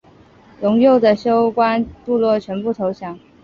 陇右的休官部落全部投降。